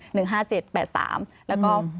หนึ่งห้าเจ็ดแปดสามแล้วก็